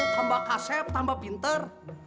tambah kaset tambah pinter